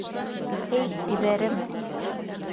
Эй сибәрем!